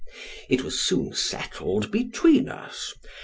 It was soon settled between us.